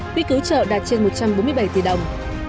quý cứu trợ đạt trên một trăm bốn mươi bảy tỷ đồng